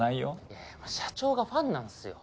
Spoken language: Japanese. いやでも社長がファンなんすよ